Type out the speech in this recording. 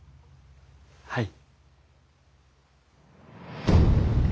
はい。